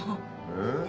え？